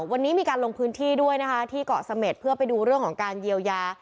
วันนี้มีการลงพื้นที่ด้วยนะคะที่เกาะเสม็ดเพื่อไปดูเรื่องของการเยียวยา